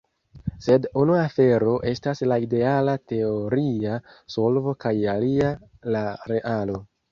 Sed unu afero estas la ideala teoria solvo kaj alia la realo.